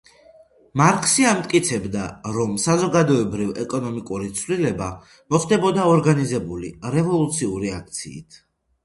მარქსი ამტკიცებდა, რომ საზოგადოებრივ ეკონომიური ცვლილება მოხდებოდა ორგანიზებული რევოლუციური აქციით.